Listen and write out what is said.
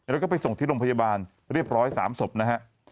แล้วก็ไปส่งที่โรงพยาบาลเรียบร้อย๓ศพนะฮะ